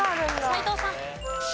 斎藤さん。